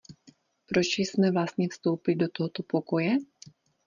Proč jsme vlastně vstoupili do tohoto pokoje?